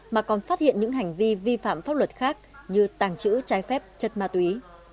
mà còn phát hiện những hành vi vi phạm pháp luật khác như tàng trữ trái phép chất ma túy